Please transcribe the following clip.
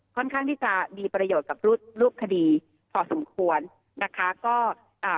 ค่อนข้างที่จะมีประโยชน์กับรูปรูปคดีพอสมควรนะคะก็อ่า